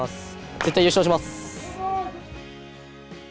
絶対優勝します。